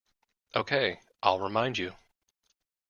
Okay, I'll remind you.